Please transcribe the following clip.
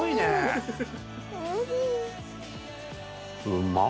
うまっ！